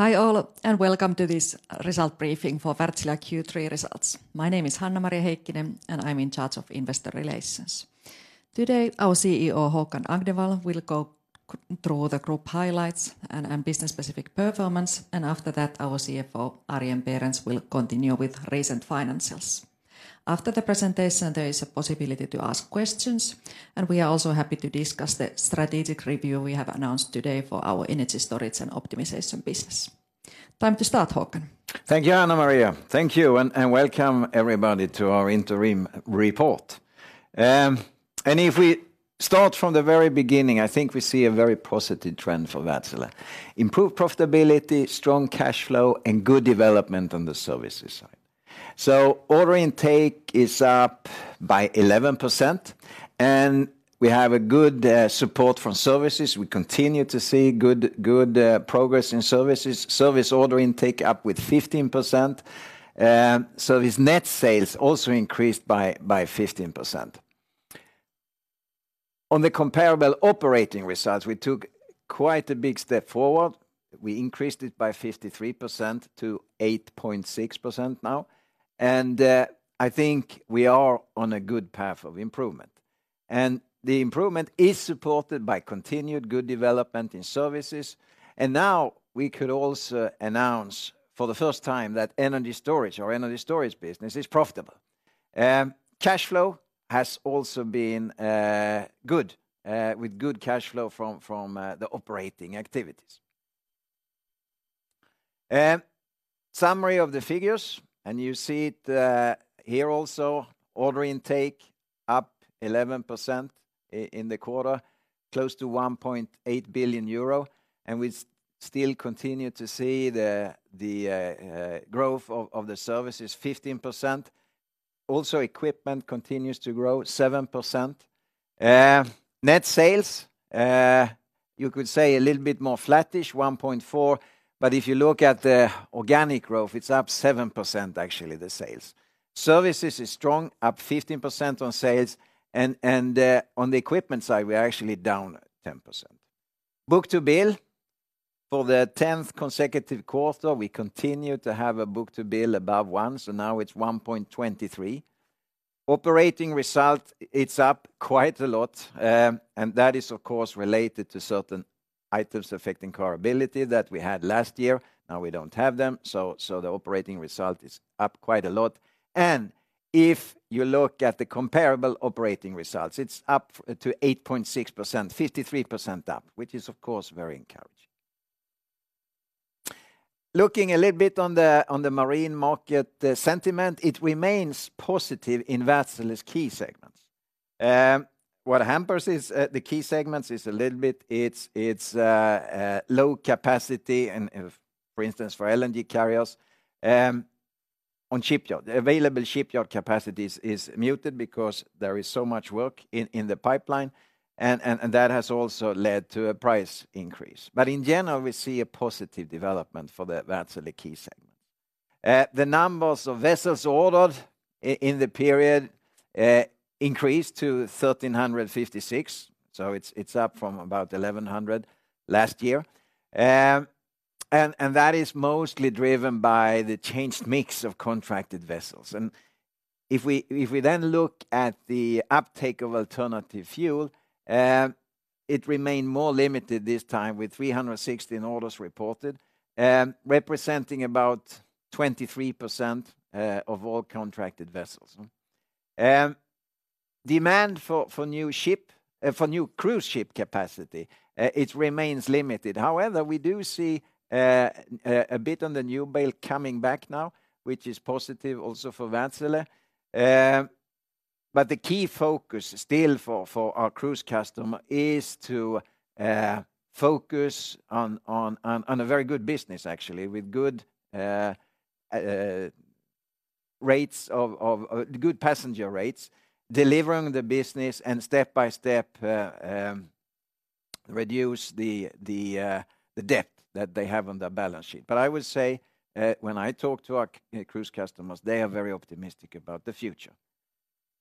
Hi, all, and welcome to this result briefing for Wärtsilä Q3 results. My name is Hanna-Maria Heikkinen, and I'm in charge of investor relations. Today, our CEO, Håkan Agnevall, will go through the group highlights and business-specific performance, and after that, our CFO, Arjen Berends, will continue with recent financials. After the presentation, there is a possibility to ask questions, and we are also happy to discuss the strategic review we have announced today for our energy storage and optimization business. Time to start, Håkan. Thank you, Hanna-Maria. Thank you, and welcome everybody to our interim report. And if we start from the very beginning, I think we see a very positive trend for Wärtsilä. Improved profitability, strong cash flow, and good development on the services side. So order intake is up by 11%, and we have a good support from services. We continue to see good progress in services. Service order intake up with 15%. So its net sales also increased by 15%. On the comparable operating results, we took quite a big step forward. We increased it by 53% to 8.6% now, and I think we are on a good path of improvement. And the improvement is supported by continued good development in services, and now we could also announce for the first time that energy storage, our energy storage business, is profitable. Cash flow has also been good, with good cash flow from the operating activities. Summary of the figures, and you see it here also, order intake up 11% in the quarter, close to 1.8 billion euro, and we still continue to see the growth of the services, 15%. Also, equipment continues to grow 7%. Net sales, you could say a little bit more flattish, 1.4 billion, but if you look at the organic growth, it's up 7%, actually, the sales. Services is strong, up 15% on sales, and on the equipment side, we are actually down 10%. Book-to-bill, for the 10th consecutive quarter, we continue to have a book-to-bill above one, so now it's 1.23. Operating result, it's up quite a lot, and that is, of course, related to certain items affecting comparability that we had last year. Now, we don't have them, so the operating result is up quite a lot. And if you look at the comparable operating results, it's up to 8.6%, 53% up, which is, of course, very encouraging. Looking a little bit on the marine market, the sentiment, it remains positive in Wärtsilä's key segments. What hampers the key segments is a little bit low capacity and, for instance, for LNG carriers on shipyard. The available shipyard capacities is muted because there is so much work in the pipeline, and that has also led to a price increase. But in general, we see a positive development for the Wärtsilä key segments. The numbers of vessels ordered in the period increased to 1,356, so it's up from about 1,100 last year. And that is mostly driven by the changed mix of contracted vessels. And if we then look at the uptake of alternative fuel, it remained more limited this time, with 316 orders reported, representing about 23% of all contracted vessels. Demand for new ship for new cruise ship capacity it remains limited. However, we do see a bit on the new build coming back now, which is positive also for Wärtsilä. But the key focus still for our cruise customer is to focus on a very good business, actually, with good rates of good passenger rates, delivering the business, and step by step reduce the debt that they have on their balance sheet. But I would say, when I talk to our cruise customers, they are very optimistic about the future.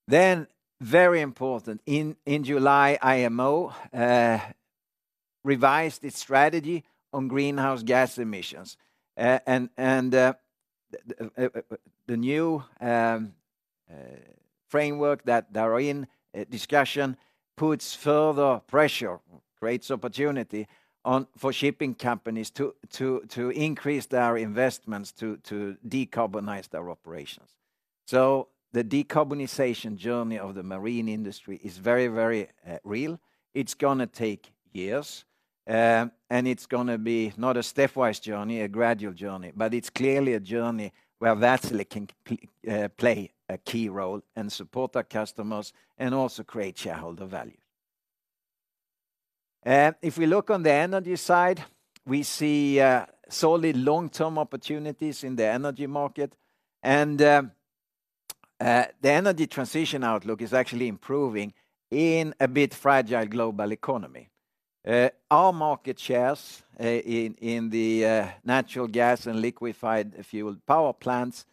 Then, very important, in July, IMO revised its strategy on greenhouse gas emissions. And the new framework that they are in discussion puts further pressure, creates opportunity for shipping companies to increase their investments to decarbonize their operations. So the decarbonization journey of the marine industry is very, very real. It's gonna take years, and it's gonna be not a stepwise journey, a gradual journey, but it's clearly a journey where Wärtsilä can play a key role and support our customers, and also create shareholder value. If we look on the energy side, we see solid long-term opportunities in the energy market, and the energy transition outlook is actually improving in a bit fragile global economy. Our market shares in the natural gas and liquefied fuel power plants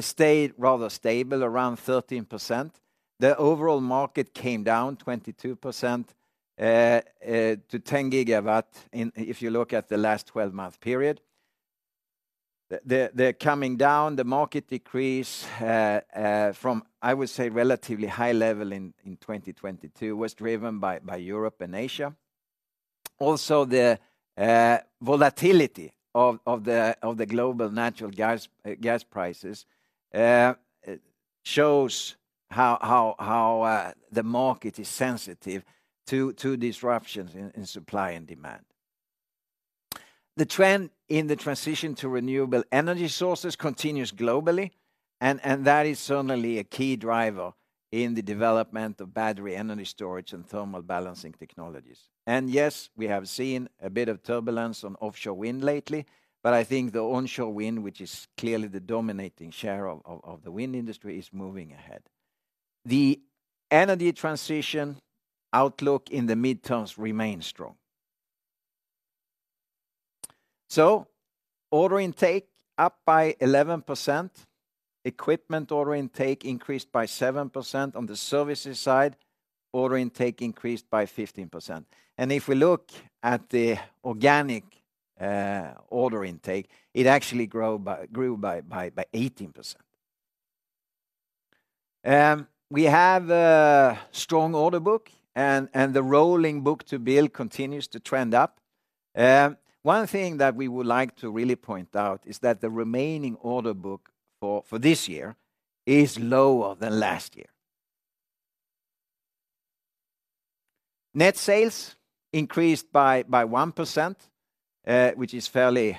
stayed rather stable, around 13%. The overall market came down 22% to 10 GW in the last 12-month period. They're coming down, the market decrease from, I would say, relatively high level in 2022, was driven by Europe and Asia. Also, the volatility of the global natural gas prices shows how the market is sensitive to disruptions in supply and demand. The trend in the transition to renewable energy sources continues globally, and that is certainly a key driver in the development of battery energy storage and thermal balancing technologies. And yes, we have seen a bit of turbulence on offshore wind lately, but I think the onshore wind, which is clearly the dominating share of the wind industry, is moving ahead. The energy transition outlook in the midterms remains strong. Order intake up by 11%, equipment order intake increased by 7%. On the services side, order intake increased by 15%, and if we look at the organic order intake, it actually grew by 18%. We have a strong order book, and the rolling book-to-bill continues to trend up. One thing that we would like to really point out is that the remaining order book for this year is lower than last year. Net sales increased by 1%, which is fairly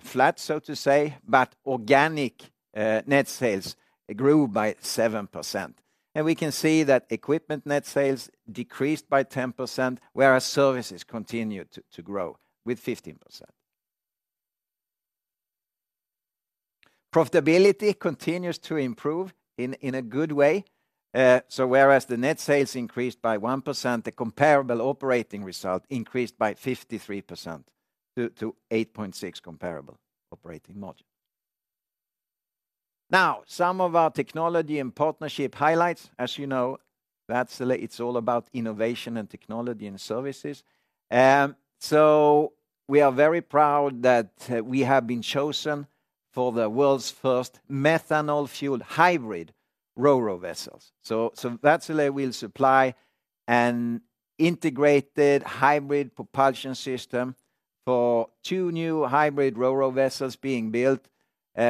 flat, so to say, but organic net sales grew by 7%. We can see that equipment net sales decreased by 10%, whereas services continued to grow with 15%. Profitability continues to improve in a good way. So whereas the net sales increased by 1%, the comparable operating result increased by 53% to 8.6% comparable operating margin. Now, some of our technology and partnership highlights, as you know, Wärtsilä, it's all about innovation and technology and services. So we are very proud that we have been chosen for the world's first methanol-fueled hybrid RoRo vessels. So Wärtsilä will supply an integrated hybrid propulsion system for two new hybrid RoRo vessels being built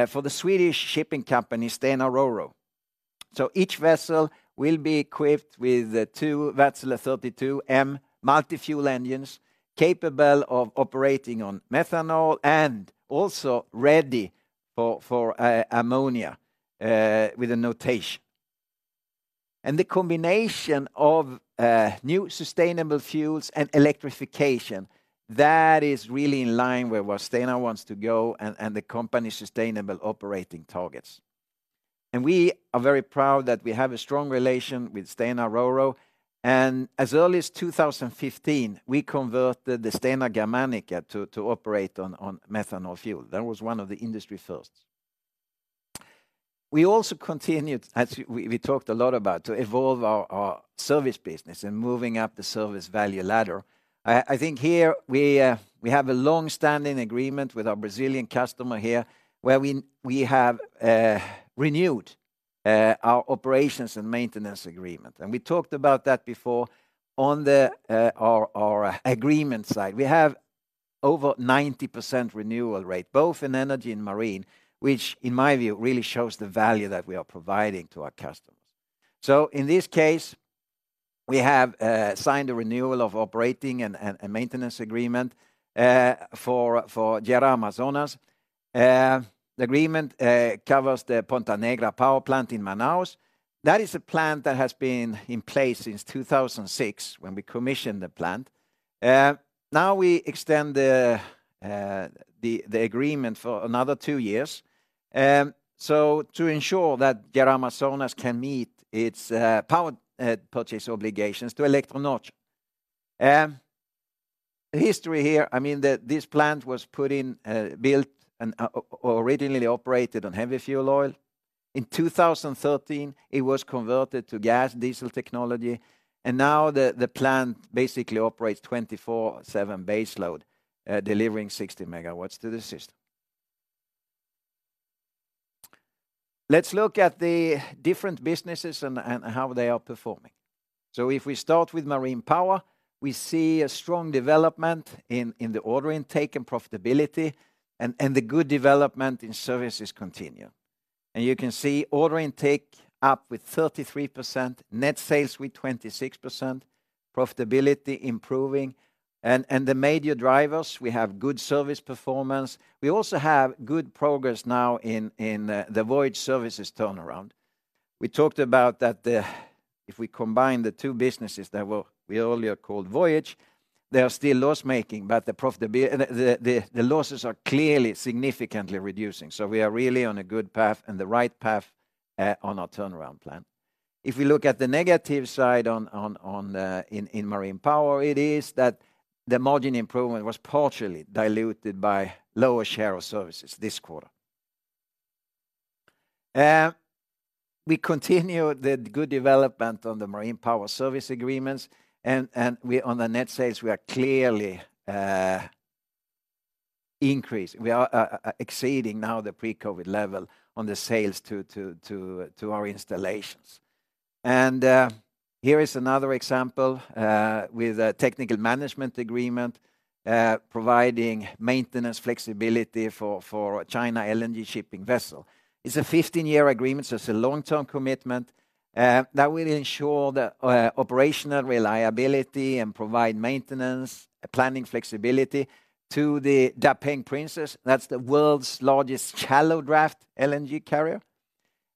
for the Swedish shipping company, Stena RoRo. So each vessel will be equipped with the two Wärtsilä 32M multi-fuel engines, capable of operating on methanol and also ready for ammonia with a notation. And the combination of new sustainable fuels and electrification, that is really in line with where Stena wants to go and the company's sustainable operating targets. We are very proud that we have a strong relation with Stena RoRo, and as early as 2015, we converted the Stena Germanica to operate on methanol fuel. That was one of the industry firsts. We also continued, as we talked a lot about, to evolve our service business and moving up the service value ladder. I think here we have a long-standing agreement with our Brazilian customer here, where we have renewed our operations and maintenance agreement. We talked about that before on the our agreement side. We have over 90% renewal rate, both in energy and marine, which, in my view, really shows the value that we are providing to our customers. So in this case, we have signed a renewal of operating and maintenance agreement for Gera Amazonas. The agreement covers the Ponta Negra power plant in Manaus. That is a plant that has been in place since 2006, when we commissioned the plant. Now we extend the agreement for another two years, so to ensure that Gera Amazonas can meet its power purchase obligations to Eletronorte. The history here, I mean, this plant was put in, built and originally operated on heavy fuel oil. In 2013, it was converted to gas diesel technology, and now the plant basically operates 24/7 base load, delivering 60 MW to the system. Let's look at the different businesses and how they are performing. So if we start with Marine Power, we see a strong development in the order intake and profitability, and the good development in services continue. You can see order intake up 33%, net sales with 26%, profitability improving. The major drivers, we have good service performance. We also have good progress now in the Voyage Services turnaround. We talked about that the... If we combine the two businesses that we earlier called Voyage, they are still loss-making, but the profitability, the losses are clearly significantly reducing. So we are really on a good path and the right path on our turnaround plan. If we look at the negative side in Marine Power, it is that the margin improvement was partially diluted by lower share of services this quarter.... We continue the good development on the marine power service agreements, and on the net sales, we are clearly increasing. We are exceeding now the pre-COVID level on the sales to our installations. And here is another example with a technical management agreement providing maintenance flexibility for China LNG Shipping vessel. It's a 15-year agreement, so it's a long-term commitment that will ensure the operational reliability and provide maintenance planning flexibility to the Dapeng Princess. That's the world's largest shallow draft LNG carrier,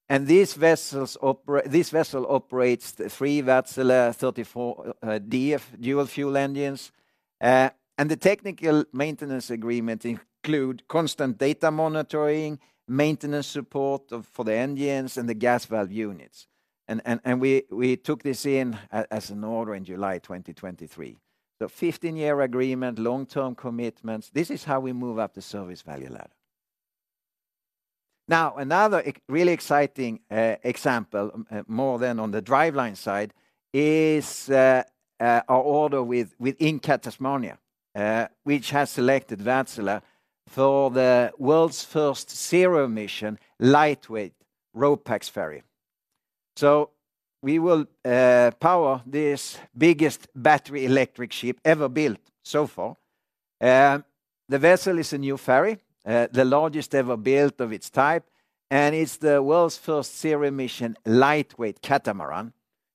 and this vessel operates the 3 Wärtsilä 34DF dual fuel engines. And the technical maintenance agreement include constant data monitoring, maintenance support for the engines and the gas valve units. And we took this as an order in July 2023. So 15-year agreement, long-term commitments, this is how we move up the service value ladder. Now, another really exciting example, more than on the driveline side, is our order with Incat Tasmania, which has selected Wärtsilä for the world's first zero-emission, lightweight RoPax ferry. So we will power this biggest battery electric ship ever built so far. The vessel is a new ferry, the largest ever built of its type, and it's the world's first zero-emission, lightweight catamaran.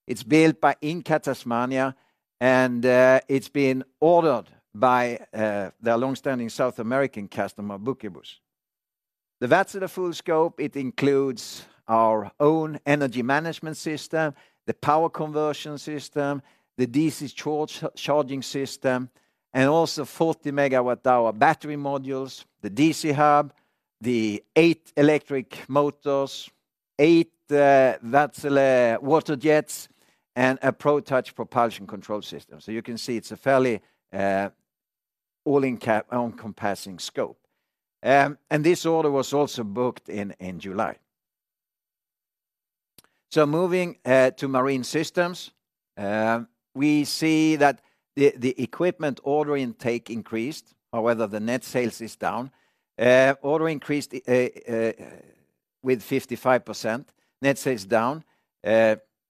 It's built by Incat Tasmania, and it's been ordered by the longstanding South American customer, Buquebus. The Wärtsilä full scope, it includes our own energy management system, the power conversion system, the DC charging system, and also 40-MWh battery modules, the DC hub, the eight electric motors, eight Wärtsilä water jets, and a ProTouch propulsion control system. So you can see it's a fairly all-encompassing scope. This order was also booked in July. Moving to Marine Systems, we see that the equipment order intake increased, although the net sales is down. Order increased with 55%. Net sales down,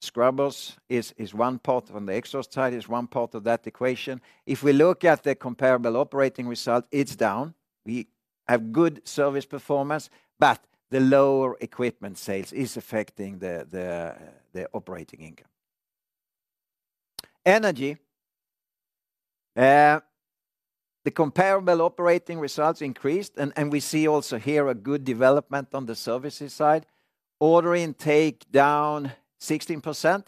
scrubbers is one part on the exhaust side, one part of that equation. If we look at the comparable operating result, it's down. We have good service performance, but the lower equipment sales is affecting the operating income. Energy, the comparable operating results increased and we see also here a good development on the services side. Order intake down 16%.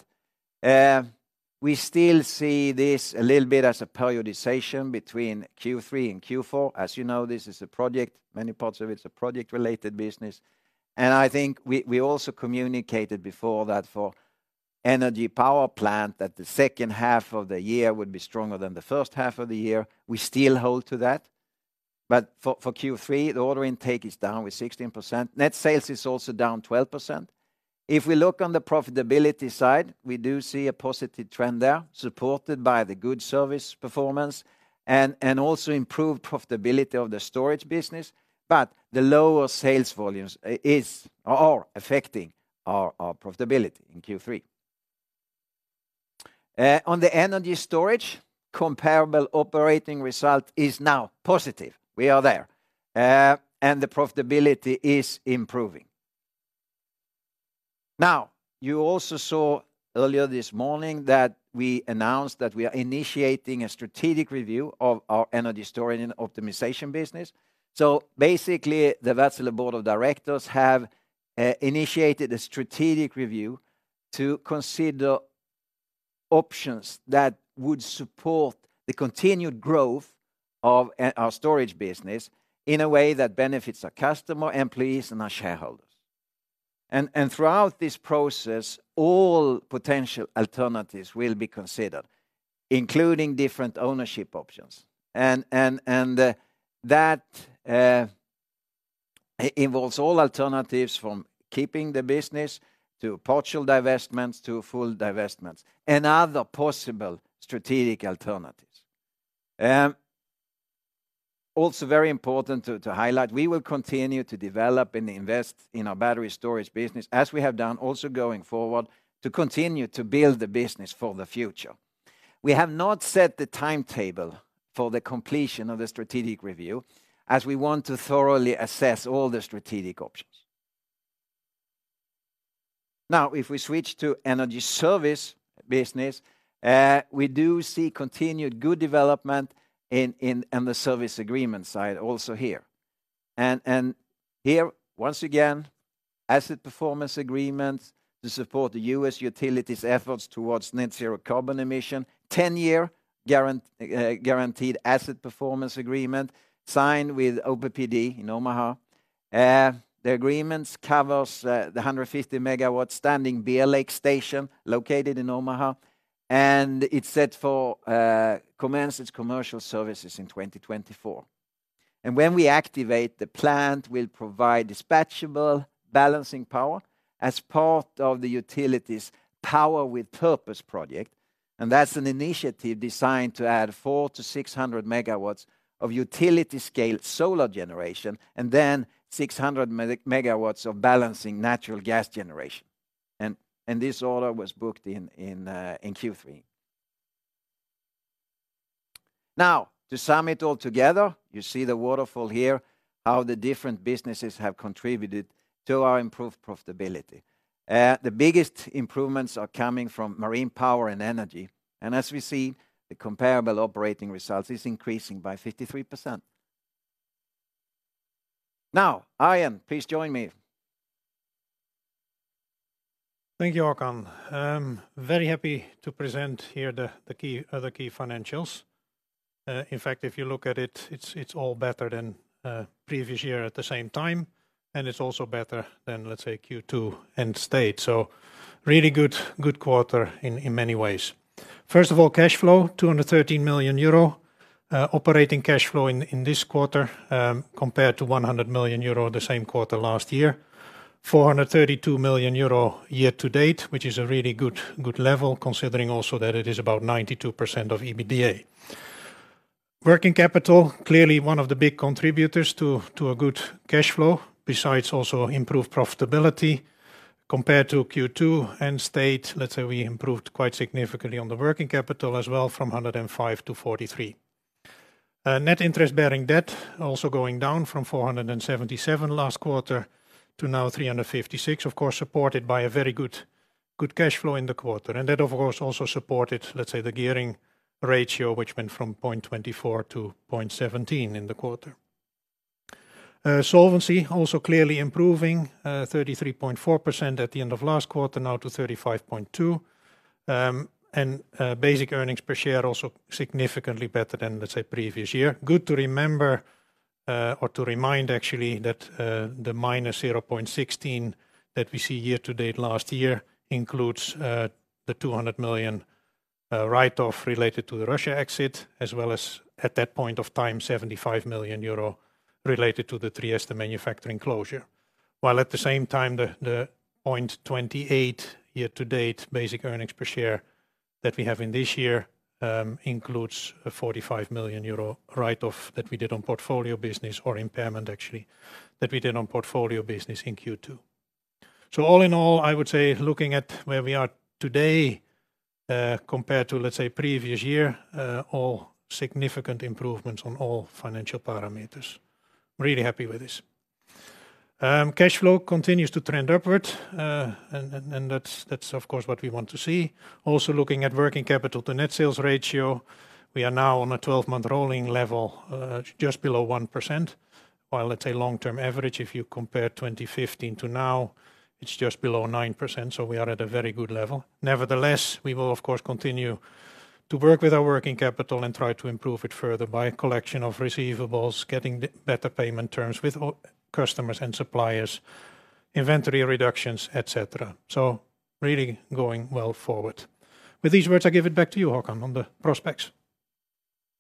We still see this a little bit as a periodization between Q3 and Q4. As you know, this is a project, many parts of it is a project-related business, and I think we also communicated before that for energy power plant, that the second half of the year would be stronger than the first half of the year. We still hold to that, but for Q3, the order intake is down with 16%. Net sales is also down 12%. If we look on the profitability side, we do see a positive trend there, supported by the good service performance and also improved profitability of the storage business, but the lower sales volumes are affecting our profitability in Q3. On the energy storage, comparable operating result is now positive. We are there, and the profitability is improving. Now, you also saw earlier this morning that we announced that we are initiating a strategic review of our energy storage and optimization business. So basically, the Wärtsilä board of directors have initiated a strategic review to consider options that would support the continued growth of our storage business in a way that benefits our customer, employees, and our shareholders. And throughout this process, all potential alternatives will be considered, including different ownership options, and that involves all alternatives from keeping the business to partial divestments to full divestments, and other possible strategic alternatives. Also very important to highlight, we will continue to develop and invest in our battery storage business, as we have done, also going forward, to continue to build the business for the future. We have not set the timetable for the completion of the strategic review, as we want to thoroughly assess all the strategic options. Now, if we switch to energy service business, we do see continued good development in on the service agreement side also here. And here, once again, asset performance agreements to support the U.S. utilities efforts towards net zero carbon emission, ten-year guaranteed asset performance agreement signed with OPPD in Omaha. The agreements covers the 150 MW Standing Bear Lake Station, located in Omaha, and it's set for commence its commercial services in 2024. When we activate, the plant will provide dispatchable balancing power as part of the utility's Power with Purpose project. That's an initiative designed to add 400-600 MWs of utility-scale solar generation, and then 600 MWs of balancing natural gas generation. This order was booked in Q3. Now, to sum it all together, you see the waterfall here, how the different businesses have contributed to our improved profitability. The biggest improvements are coming from marine power and energy, and as we see, the comparable operating results is increasing by 53%. Now, Arjen, please join me. Thank you, Håkan. Very happy to present here the key financials. In fact, if you look at it, it's all better than previous year at the same time, and it's also better than, let's say, Q2 end state. So really good, good quarter in many ways. First of all, cash flow, 213 million euro. Operating cash flow in this quarter, compared to 100 million euro the same quarter last year. 432 million euro year to date, which is a really good, good level, considering also that it is about 92% of EBITDA. Working capital, clearly one of the big contributors to a good cash flow, besides also improved profitability. Compared to Q2 end state, let's say we improved quite significantly on the working capital as well, from 105 to 43. Net interest-bearing debt also going down from 477 last quarter to now 356. Of course, supported by a very good, good cash flow in the quarter. And that, of course, also supported, let's say, the gearing ratio, which went from 0.24 to 0.17 in the quarter. Solvency also clearly improving, 33.4% at the end of last quarter, now to 35.2%. And basic earnings per share also significantly better than, let's say, previous year. Good to remember, or to remind, actually, that the -0.16 that we see year to date last year includes the 200 million write-off related to the Russia exit, as well as, at that point of time, 75 million euro related to the Trieste manufacturing closure. While at the same time, the 0.28 year to date basic earnings per share that we have in this year includes a 45 million euro write-off that we did on portfolio business, or impairment actually, that we did on portfolio business in Q2. So all in all, I would say, looking at where we are today, compared to, let's say, previous year, all significant improvements on all financial parameters. Really happy with this. Cash flow continues to trend upward, and that's of course what we want to see. Also, looking at working capital to net sales ratio, we are now on a 12-month rolling level, just below 1%, while it's a long-term average, if you compare 2015 to now, it's just below 9%, so we are at a very good level. Nevertheless, we will, of course, continue to work with our working capital and try to improve it further by collection of receivables, getting better payment terms with all customers and suppliers, inventory reductions, et cetera. So really going well forward. With these words, I give it back to you, Håkan, on the prospects.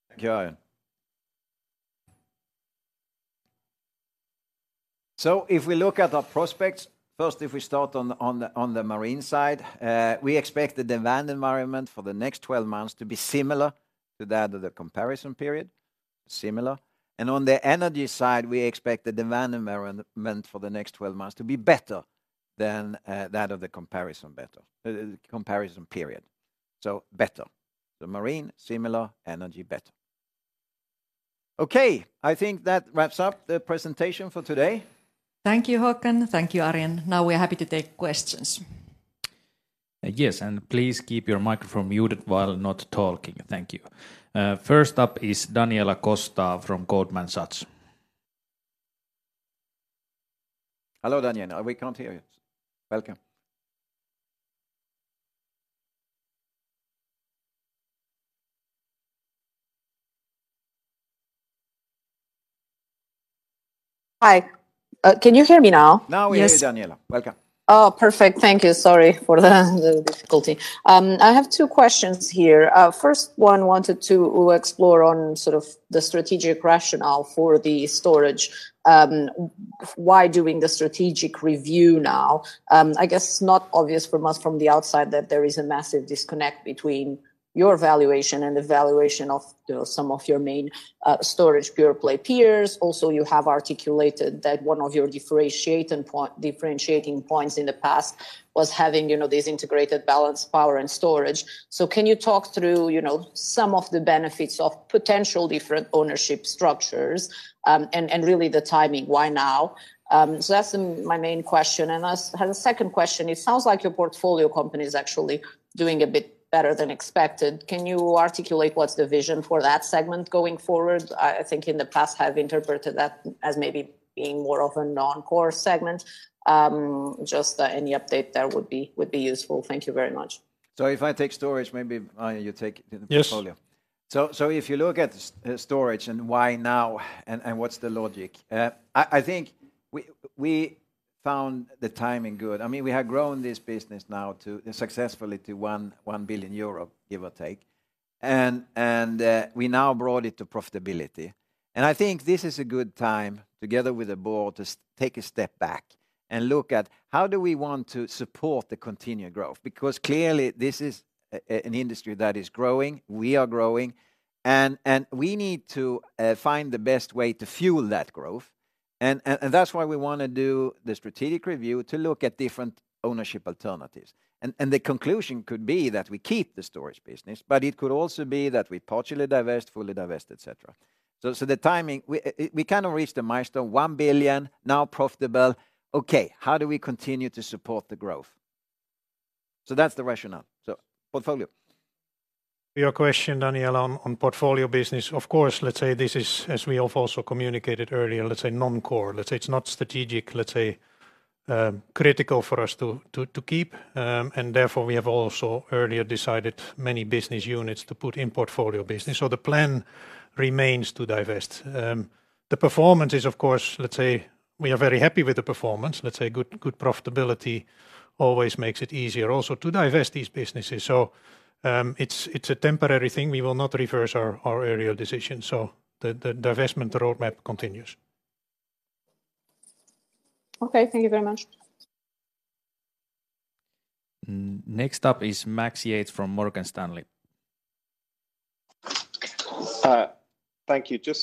Thank you, Arjen. So if we look at our prospects, first, if we start on the marine side, we expect the demand environment for the next 12 months to be similar to that of the comparison period. Similar. And on the energy side, we expect the demand environment for the next 12 months to be better than that of the comparison period. Better. The marine, similar. Energy, better. Okay, I think that wraps up the presentation for today. Thank you, Håkan. Thank you, Arjen. Now we are happy to take questions. Yes, and please keep your microphone muted while not talking. Thank you. First up is Daniela Costa from Goldman Sachs. Hello, Daniela. We can't hear you. Welcome. Hi, can you hear me now? Now we hear you, Daniela. Yes. Welcome. Oh, perfect. Thank you. Sorry for the difficulty. I have two questions here. First one, wanted to explore on sort of the strategic rationale for the storage. Why doing the strategic review now? I guess it's not obvious for us from the outside that there is a massive disconnect between your valuation and the valuation of, you know, some of your main, storage pure-play peers. Also, you have articulated that one of your differentiating points in the past was having, you know, these integrated balanced power and storage. So can you talk through, you know, some of the benefits of potential different ownership structures, and really the timing, why now? So that's my main question, and as the second question: It sounds like your portfolio company is actually doing a bit better than expected. Can you articulate what's the vision for that segment going forward? I think in the past, I have interpreted that as maybe being more of a non-core segment. Just, any update there would be useful. Thank you very much. So if I take storage, maybe, Arjen, you take the- Yes... portfolio. So if you look at storage and why now and what's the logic? I think we found the timing good. I mean, we have grown this business now to successfully to 1 billion euro, give or take, and we now brought it to profitability. And I think this is a good time, together with the board, to take a step back and look at how do we want to support the continued growth? Because clearly, this is an industry that is growing, we are growing, and we need to find the best way to fuel that growth. And that's why we wanna do the strategic review, to look at different ownership alternatives. And the conclusion could be that we keep the storage business, but it could also be that we partially divest, fully divest, et cetera. So the timing, we kind of reached a milestone, 1 billion, now profitable. Okay, how do we continue to support the growth? So that's the rationale. So portfolio. Your question, Daniela, on portfolio business, of course. Let's say this is, as we have also communicated earlier, let's say non-core. Let's say it's not strategic, let's say critical for us to keep. Therefore, we have also earlier decided many business units to put in portfolio business, so the plan remains to divest. The performance is, of course, let's say we are very happy with the performance. Let's say good profitability always makes it easier also to divest these businesses. So, it's a temporary thing. We will not reverse our earlier decision, so the divestment roadmap continues. Okay. Thank you very much. Next up is Max Yates from Morgan Stanley. Thank you. Can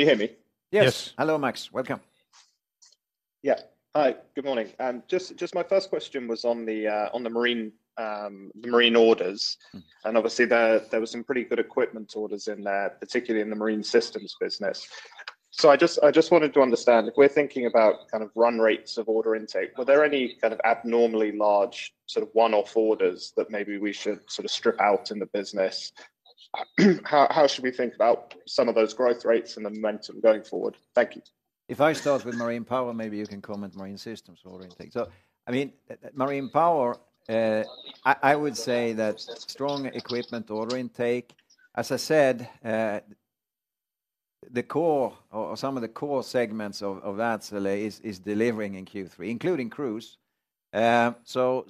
you hear me? Yes. Yes. Hello, Max. Welcome. Yeah. Hi, good morning. Just my first question was on the marine orders. Mm. Obviously, there were some pretty good equipment orders in there, particularly in the Marine Systems business. I just wanted to understand, if we're thinking about kind of run rates of order intake, were there any kind of abnormally large, sort of one-off orders that maybe we should sort of strip out in the business? How should we think about some of those growth rates and the momentum going forward? Thank you. If I start with marine power, maybe you can comment Marine Systems order intake. So, I mean, marine power, I would say that strong equipment order intake, as I said, the core or some of the core segments of that, really, is delivering in Q3, including cruise. So,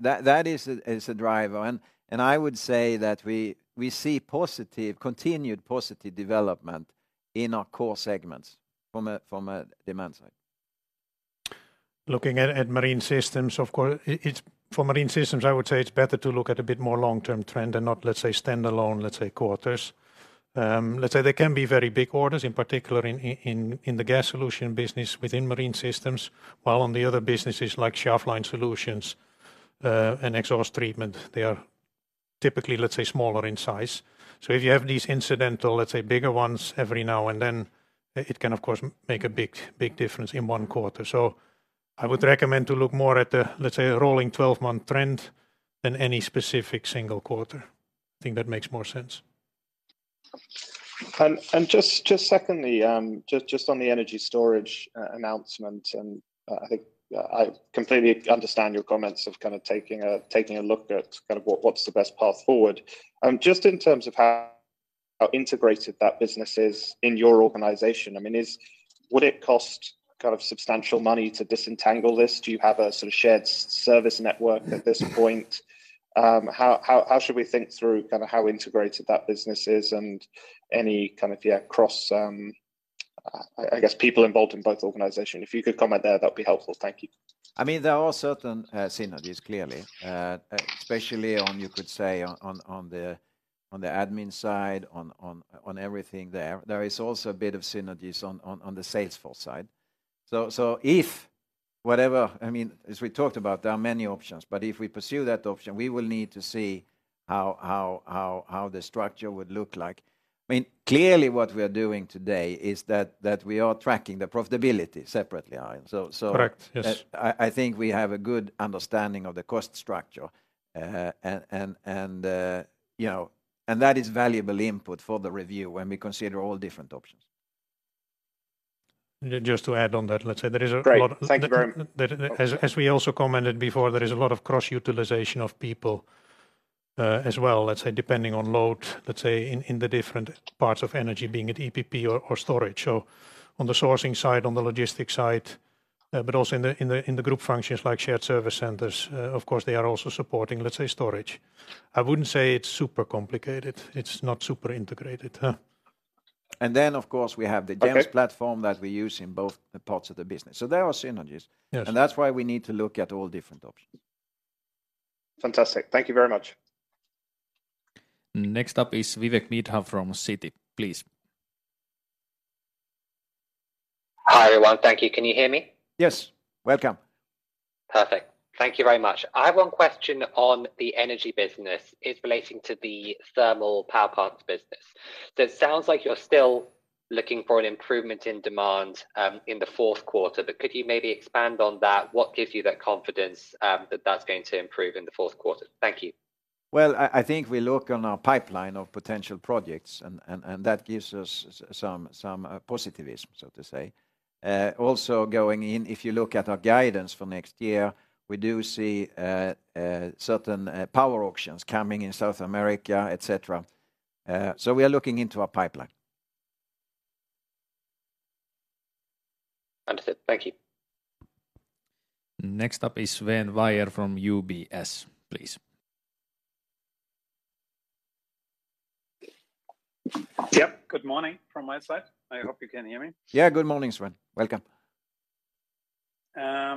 that is a driver. And I would say that we see positive continued positive development in our core segments from a demand side. Looking at Marine Systems, of course, for Marine Systems, I would say it's better to look at a bit more long-term trend than not, let's say, standalone, let's say, quarters. Let's say there can be very big orders, in particular in the gas solution business within Marine Systems, while on the other businesses, like shaft line solutions and exhaust treatment, they are typically, let's say, smaller in size. So if you have these incidental, let's say, bigger ones every now and then, it can, of course, make a big, big difference in one quarter. So I would recommend to look more at the, let's say, rolling 12-month trend than any specific single quarter. I think that makes more sense. And just secondly, just on the energy storage announcement, and I think I completely understand your comments of kind of taking a look at kind of what's the best path forward. Just in terms of how integrated that business is in your organization, I mean, would it cost kind of substantial money to disentangle this? Do you have a sort of shared service network at this point? How should we think through kind of how integrated that business is and any kind of cross, I guess, people involved in both organizations? If you could comment there, that'd be helpful. Thank you. I mean, there are certain synergies, clearly, especially on, you could say, on the admin side, on everything there. There is also a bit of synergies on the Salesforce side. So if whatever... I mean, as we talked about, there are many options, but if we pursue that option, we will need to see how the structure would look like. I mean, clearly, what we are doing today is that we are tracking the profitability separately, Arjen. So, Correct. Yes... I think we have a good understanding of the cost structure, and you know, that is valuable input for the review when we consider all different options. Just to add on that, let's say there is a lot of- Great. Thank you very much. as we also commented before, there is a lot of cross-utilization of people, as well, let's say, depending on load, let's say, in the different parts of energy, being it EPP or storage. So on the sourcing side, on the logistics side, but also in the group functions like shared service centers, of course, they are also supporting, let's say, storage. I wouldn't say it's super complicated. It's not super integrated, huh? And then, of course, we have the- Okay... GEMS platform that we use in both the parts of the business. There are synergies. Yes. That's why we need to look at all different options. Fantastic. Thank you very much. Next up is Vivek Midha from Citi, please. Hi, everyone. Thank you. Can you hear me? Yes. Welcome. Perfect. Thank you very much. I have one question on the energy business. It's relating to the thermal power parts business. So it sounds like you're still looking for an improvement in demand in the fourth quarter, but could you maybe expand on that? What gives you that confidence that that's going to improve in the fourth quarter? Thank you. Well, I think we look on our pipeline of potential projects and that gives us some positivism, so to say. Also going in, if you look at our guidance for next year, we do see certain power auctions coming in South America, et cetera. So we are looking into our pipeline. Understood. Thank you. Next up is Sven Weier from UBS, please. Yep, good morning from my side. I hope you can hear me. Yeah, good morning, Sven. Welcome.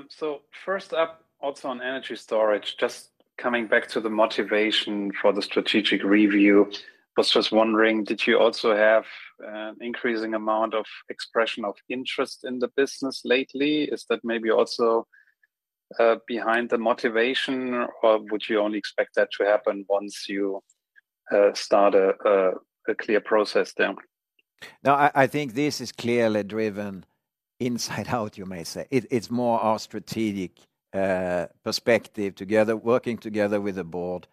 So first up, also on energy storage, just coming back to the motivation for the strategic review. I was just wondering, did you also have increasing amount of expression of interest in the business lately? Is that maybe also behind the motivation, or would you only expect that to happen once you start a clear process down? No, I think this is clearly driven inside out, you may say. It's more our strategic perspective, working together with the board.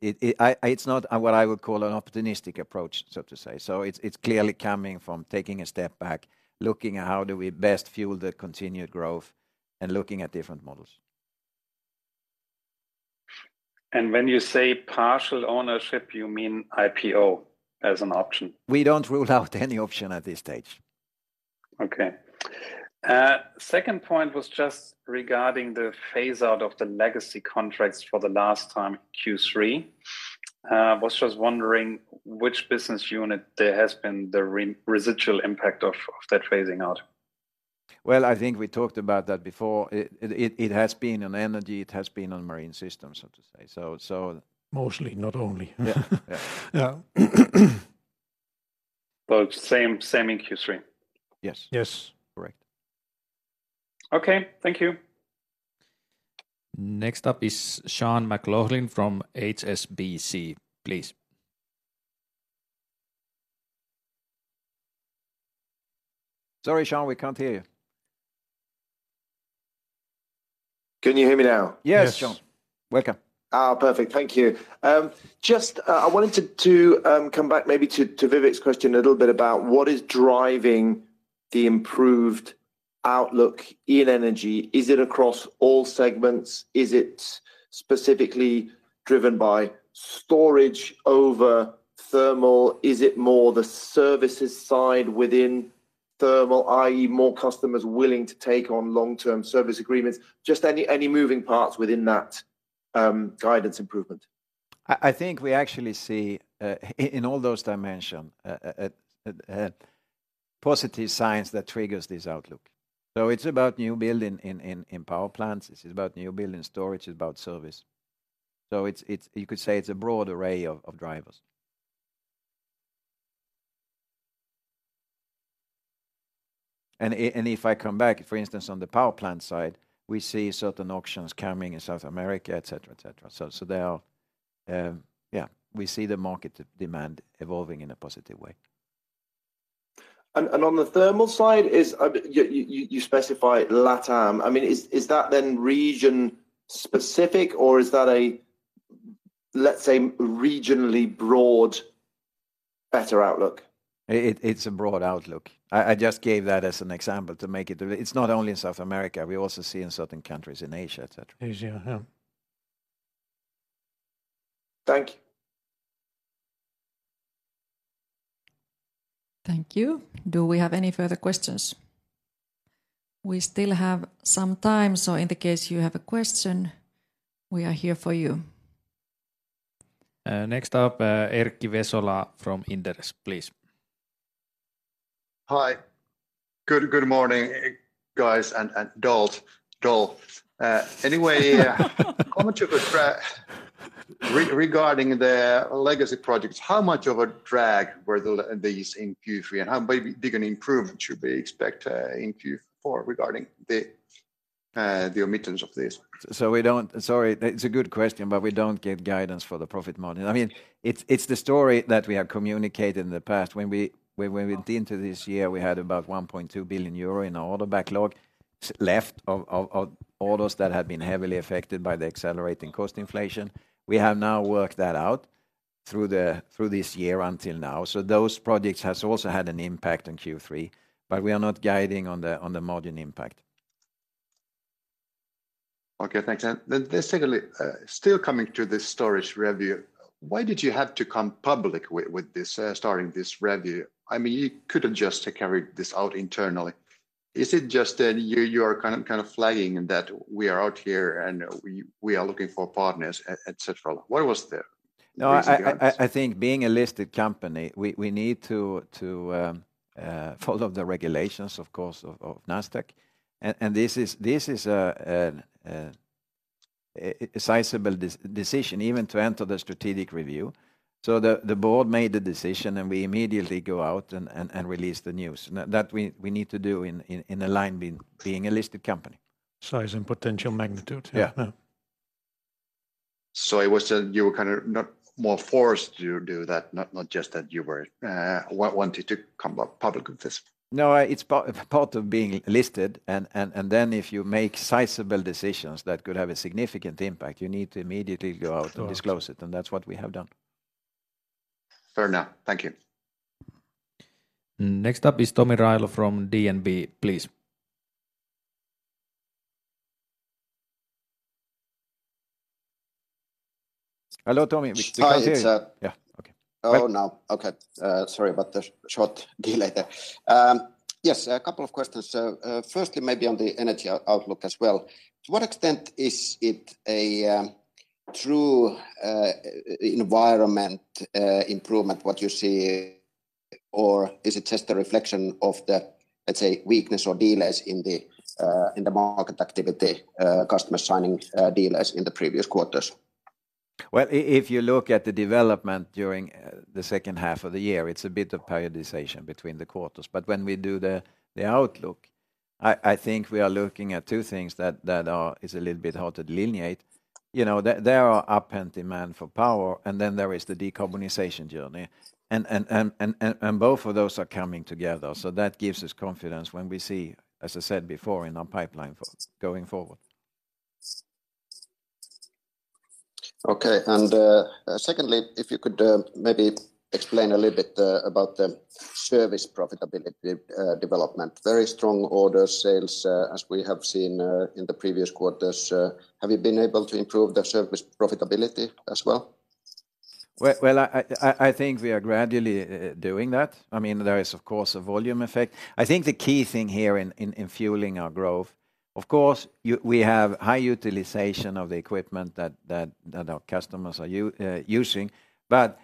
It's not what I would call an opportunistic approach, so to say. So it's clearly coming from taking a step back, looking at how do we best fuel the continued growth and looking at different models. When you say partial ownership, you mean IPO as an option? We don't rule out any option at this stage. Okay. Second point was just regarding the phase-out of the legacy contracts for the last time, Q3. I was just wondering, which business unit there has been the residual impact of that phasing out? Well, I think we talked about that before. It has been on energy. It has been on Marine Systems, so to say. So, so- Mostly, not only. Yeah, yeah. Yeah. Both same, same in Q3? Yes. Yes. Correct. Okay. Thank you. Next up is Sean McLoughlin from HSBC, please. Sorry, Sean, we can't hear you. Can you hear me now? Yes, Sean. Yes. Welcome. Ah, perfect. Thank you. Just, I wanted to come back maybe to Vivek's question a little bit about what is driving the improved outlook in energy? Is it across all segments? Is it specifically driven by storage over thermal? Is it more the services side within thermal, i.e., more customers willing to take on long-term service agreements? Just any, any moving parts within that guidance improvement. I think we actually see in all those dimension positive signs that triggers this outlook. So it's about new building in power plants, it's about new building storage, it's about service. So it's you could say it's a broad array of drivers. And if I come back, for instance, on the power plant side, we see certain auctions coming in South America, et cetera, et cetera. So there are... Yeah, we see the market demand evolving in a positive way. On the thermal side is, you specify LATAM. I mean, is that then region-specific or is that a, let's say, regionally broad, better outlook? It's a broad outlook. I just gave that as an example to make it... It's not only in South America, we also see in certain countries in Asia, et cetera. Asia, yeah. Thank you. Thank you. Do we have any further questions? We still have some time, so in the case you have a question, we are here for you. Next up, Erkki Vesola from Inderes, please. Hi. Good morning, guys, and all. Anyway, how much of a drag regarding the legacy projects were these in Q3, and how big an improvement should we expect in Q4 regarding the omission of this? So we don't... Sorry, it's a good question, but we don't give guidance for the profit margin. I mean, it's, it's the story that we have communicated in the past. When we went into this year, we had about 1.2 billion euro in our order backlog left of orders that had been heavily affected by the accelerating cost inflation. We have now worked that out through this year until now. So those projects has also had an impact on Q3, but we are not guiding on the margin impact. Okay, thanks. Then secondly, still coming to this storage review, why did you have to go public with this starting this review? I mean, you could have just carried this out internally. Is it just that you are kind of flagging that we are out here, and we are looking for partners, et cetera? Why was that? No, I think being a listed company, we need to follow the regulations, of course, of Nasdaq. And this is a sizable decision even to enter the strategic review. So the board made the decision, and we immediately go out and release the news. That we need to do in align being a listed company. Size and potential magnitude. Yeah. Yeah. So it was that you were kind of not more forced to do that, not, not just that you were wanted to come up public with this? No, it's part of being listed, and then if you make sizable decisions that could have a significant impact, you need to immediately go out- Of course... and disclose it, and that's what we have done. ... Fair enough. Thank you. Next up is Tomi Railo from DNB, please. Hello, Tomi. We can't hear you. Hi, it's Yeah. Okay. Okay. Sorry about the short delay there. Yes, a couple of questions. Firstly, maybe on the energy outlook as well. To what extent is it a true environmental improvement what you see? Or is it just a reflection of the, let's say, weakness or delays in the market activity, customer signing, delays in the previous quarters? Well, if you look at the development during the second half of the year, it's a bit of periodization between the quarters. But when we do the outlook, I think we are looking at two things that are... It's a little bit hard to delineate. You know, there are up-end demand for power, and then there is the decarbonization journey, and both of those are coming together, so that gives us confidence when we see, as I said before, in our pipeline for going forward. Okay. And, secondly, if you could, maybe explain a little bit about the service profitability development. Very strong order sales, as we have seen, in the previous quarters. Have you been able to improve the service profitability as well? Well, I think we are gradually doing that. I mean, there is, of course, a volume effect. I think the key thing here in fueling our growth, of course, we have high utilization of the equipment that our customers are using. But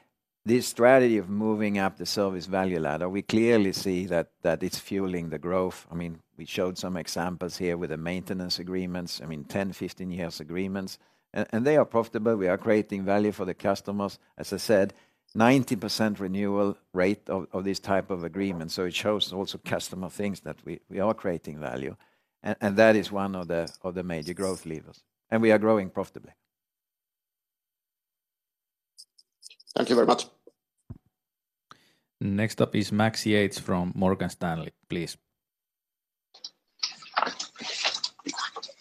this strategy of moving up the service value ladder, we clearly see that it's fueling the growth. I mean, we showed some examples here with the maintenance agreements, I mean, 10, 15 years agreements, and they are profitable. We are creating value for the customers. As I said, 90% renewal rate of this type of agreement, so it shows also customer thinks that we are creating value, and that is one of the major growth levers, and we are growing profitably. Thank you very much. Next up is Max Yates from Morgan Stanley, please.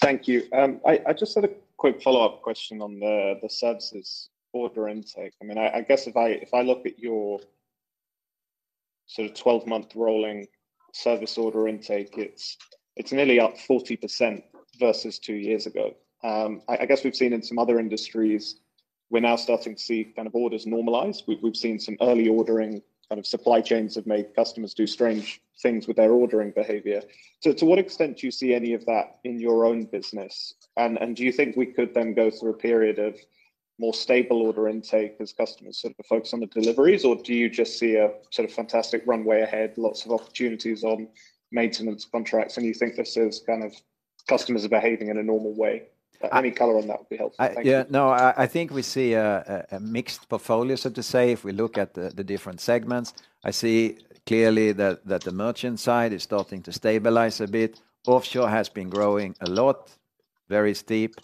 Thank you. I just had a quick follow-up question on the services order intake. I mean, I guess if I look at your sort of twelve-month rolling service order intake, it's nearly up 40% versus two years ago. I guess we've seen in some other industries, we're now starting to see kind of orders normalize. We've seen some early ordering, kind of supply chains have made customers do strange things with their ordering behavior. So to what extent do you see any of that in your own business? Do you think we could then go through a period of more stable order intake as customers sort of focus on the deliveries, or do you just see a sort of fantastic runway ahead, lots of opportunities on maintenance contracts, and you think this is kind of customers are behaving in a normal way? Any color on that would be helpful. Thank you. Yeah. No, I think we see a mixed portfolio, so to say. If we look at the different segments, I see clearly that the merchant side is starting to stabilize a bit. Offshore has been growing a lot, very steep.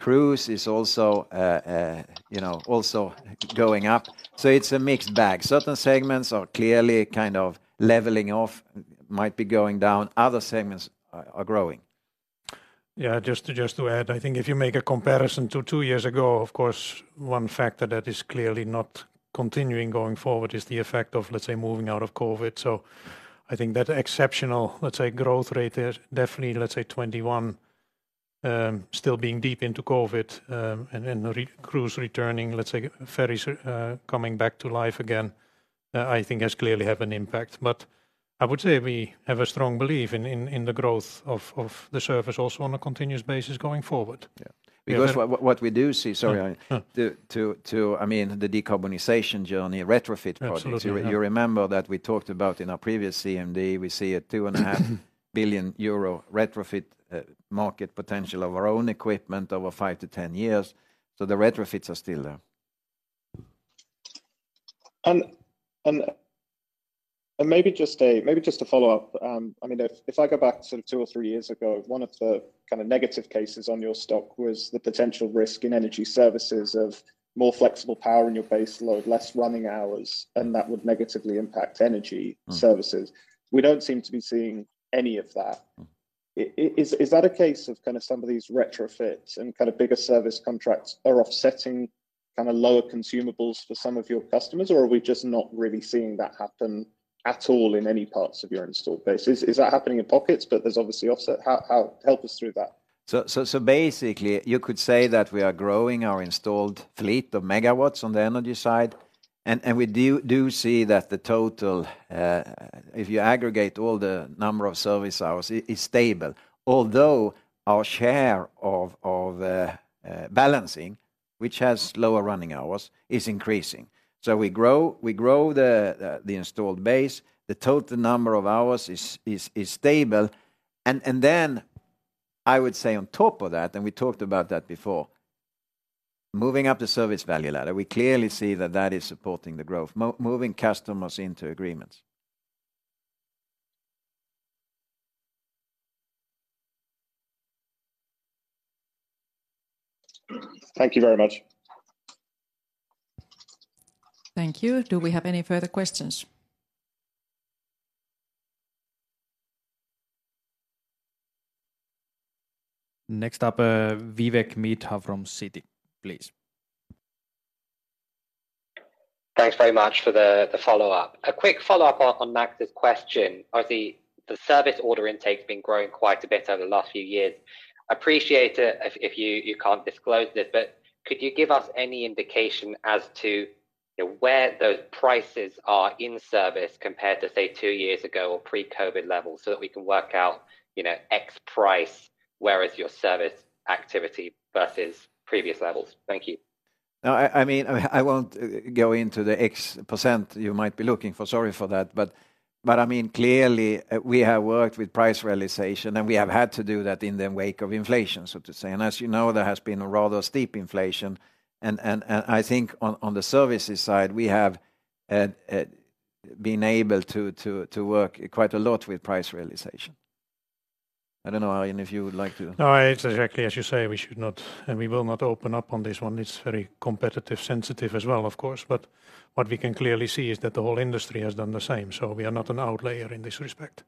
Cruise is also, you know, also going up. So it's a mixed bag. Certain segments are clearly kind of leveling off, might be going down. Other segments are growing. Yeah, just to add, I think if you make a comparison to two years ago, of course, one factor that is clearly not continuing going forward is the effect of, let's say, moving out of COVID. So I think that exceptional, let's say, growth rate there, definitely, let's say, 2021, still being deep into COVID, and then the cruise returning, let's say, ferries, coming back to life again, I think has clearly have an impact. But I would say we have a strong belief in the growth of the service also on a continuous basis going forward. Yeah. Yeah. Because what we do see... Sorry, Arjen. To, I mean, the decarbonization journey, retrofit projects- Absolutely, yeah. You remember that we talked about in our previous CMD, we see a 2.5 billion euro retrofit market potential of our own equipment over 5-10 years, so the retrofits are still there. Maybe just to follow up, I mean, if I go back to sort of two or three years ago, one of the kind of negative cases on your stock was the potential risk in energy services of more flexible power in your base load, less running hours, and that would negatively impact energy services. Mm. We don't seem to be seeing any of that. Mm. Is that a case of kind of some of these retrofits and kind of bigger service contracts offsetting kind of lower consumables for some of your customers, or are we just not really seeing that happen at all in any parts of your installed base? Is that happening in pockets, but there's obviously offset? How... Help us through that. So basically, you could say that we are growing our installed fleet of MWs on the energy side, and we see that the total, if you aggregate all the number of service hours, it is stable. Although our share of balancing, which has lower running hours, is increasing. So we grow the installed base. The total number of hours is stable. And then I would say on top of that, and we talked about that before, moving up the service value ladder, we clearly see that that is supporting the growth, moving customers into agreements. Thank you very much. Thank you. Do we have any further questions? Next up, Vivek Midha from Citi, please. Thanks very much for the follow-up. A quick follow-up on Max's question. Obviously, the service order intake's been growing quite a bit over the last few years. Appreciate it if you can't disclose this, but could you give us any indication as to where those prices are in service compared to, say, two years ago or pre-COVID levels, so that we can work out, you know, X price, where is your service activity versus previous levels? Thank you. No, I mean, I won't go into the X% you might be looking for. Sorry for that. But I mean, clearly, we have worked with price realization, and we have had to do that in the wake of inflation, so to say. And as you know, there has been a rather steep inflation, and I think on the services side, we have been able to work quite a lot with price realization. I don't know, Arjen, if you would like to- No, it's exactly as you say, we should not, and we will not open up on this one. It's very competitively sensitive as well, of course, but what we can clearly see is that the whole industry has done the same, so we are not an outlier in this respect.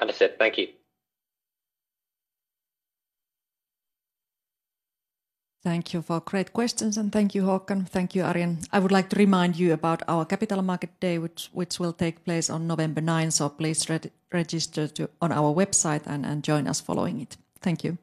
Understood. Thank you. Thank you for great questions, and thank you, Håkan. Thank you, Arjen. I would like to remind you about our Capital Market Day, which will take place on November 9, so please re-register on our website, and join us following it. Thank you.